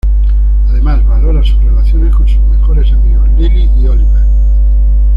Además valora sus relaciones con sus mejores amigos Lilly y Oliver.